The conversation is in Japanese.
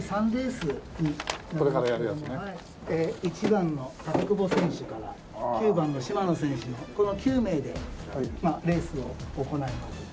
１番の久保選手から９番の島野選手のこの９名でレースを行います。